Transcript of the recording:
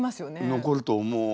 残ると思う。